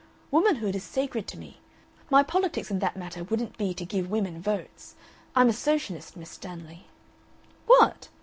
Womanhood is sacred to me. My politics in that matter wouldn't be to give women votes. I'm a Socialist, Miss Stanley." "WHAT?"